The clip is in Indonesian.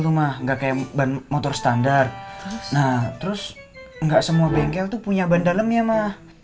rumah enggak kayak ban motor standar nah terus enggak semua bengkel itu punya ban dalam ya mah